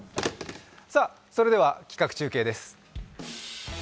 それでは企画中継です。